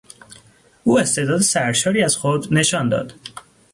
او استعداد سرشاری از خود نشان داد.